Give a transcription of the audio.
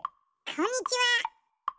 こんにちは。